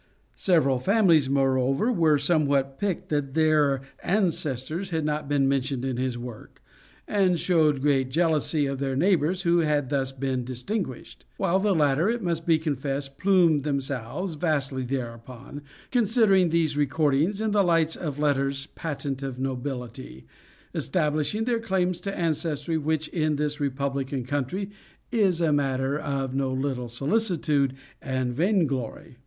Several families, moreover, were somewhat piqued that their ancestors had not been mentioned in his work, and showed great jealousy of their neighbors who had thus been distinguished; while the latter, it must be confessed, plumed themselves vastly thereupon; considering these recordings in the lights of letters patent of nobility, establishing their claims to ancestry, which, in this republican country, is a matter of no little solicitude and vain glory.